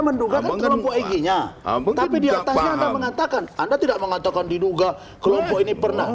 menduga mengerumunnya tapi diatasnya mengatakan anda tidak mengatakan diduga kelompok ini pernah